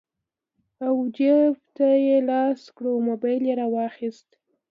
او جېب ته يې لاس کړو موبايل يې رواخيست